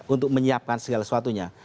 untuk menyiapkan segala sesuatunya